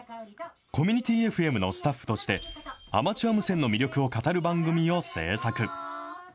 コミュニティＦＭのスタッフとして、アマチュア無線の魅力を語る番組を制作。